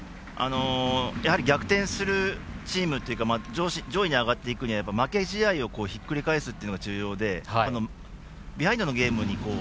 やはり逆転するチームというか上位に上がっていくには負け試合をひっくり返すっていうのが重要でビハインドのゲーム